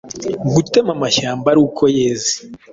Gutema amashyamba ari uko yeze